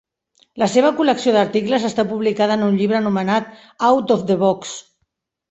La seva col·lecció d'articles està publicada en un llibre anomenat Out of the Box.